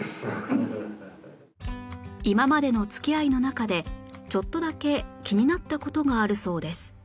今までの付き合いの中でちょっとだけ気になった事があるそうです